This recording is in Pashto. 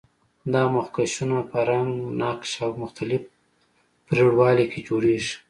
دا مخکشونه په رنګ، نقش او مختلف پرېړوالي کې جوړیږي.